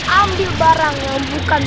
ambil barang yang bukan